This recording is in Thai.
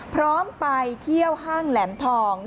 พร้อมไปเที่ยวห้างแหลมทอง